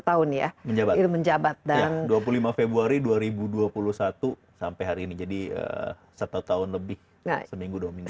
tahun ya menjabat yang dua puluh lima februari dua ribu dua puluh satu sampai hari ini jadi satu tahun lebih seminggu dua minggu